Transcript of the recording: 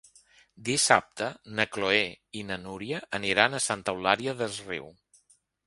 Dissabte na Chloé i na Núria aniran a Santa Eulària des Riu.